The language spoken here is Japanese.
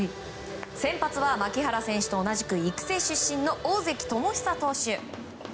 先発は牧原選手と同じく育成出身の大関友久選手。